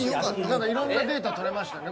何かいろんなデータ取れましたね